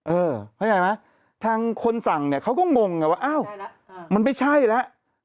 เออเพราะยังไงนะทางคนสั่งเนี่ยเขาก็งงว่าอ้าวมันไม่ใช่แล้ว